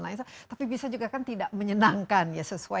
di garis kita juga ada rewet kita